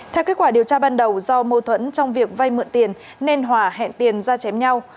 theo kết quả điều tra ban đầu do mâu thuẫn trong việc vay mượn tiền nên hòa hẹn tiền ra chém nhau